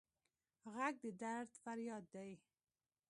غږ د درد فریاد دی